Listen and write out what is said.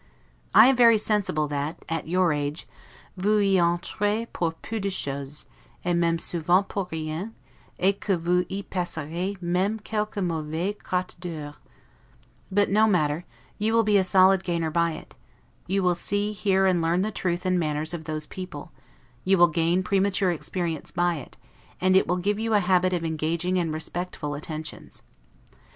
I am very sensible that, at your age, 'vous y entrez pour peu de chose, et meme souvent pour rien, et que vous y passerez meme quelques mauvais quart d'heures'; but no matter; you will be a solid gainer by it: you will see, hear, and learn the turn and manners of those people; you will gain premature experience by it; and it will give you a habit of engaging and respectful attentions.